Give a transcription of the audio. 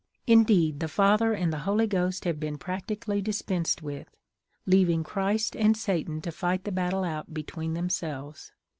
Indeed, the Father and the Holy Ghost have been practically dispensed with, leaving Christ and Satan to fight the battle out between themselves.